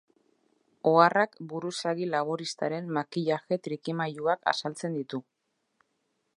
Oharrak buruzagi laboristaren makillaje trikimailuak azaltzen ditu.